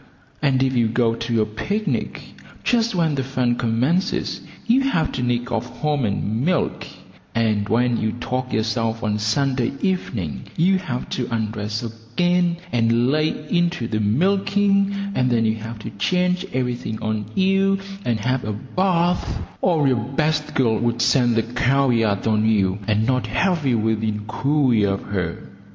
And if you go to a picnic, just when the fun commences you have to nick off home and milk, and when you tog yourself on Sunday evening you have to undress again and lay into the milking, and then you have to change everything on you and have a bath, or your best girl would scent the cow yard on you, and not have you within cooee of her.